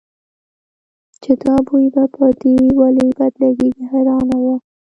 چې دا بوی به په دې ولې بد لګېږي حیرانه وه.